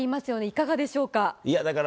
いかがでしょうか。